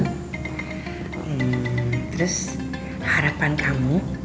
hmm terus harapan kamu